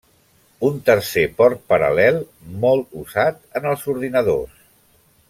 Un tercer port paral·lel molt usat en els ordinadors.